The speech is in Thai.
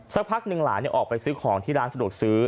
สักพักหนึ่งหลานออกไปซื้อของที่ร้านสะดวกซื้อ